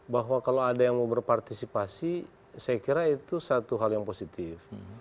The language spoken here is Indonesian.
bahwa kalau ada yang mau berpartisipasi saya kira itu satu hal yang positif